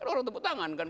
orang tepuk tangan kan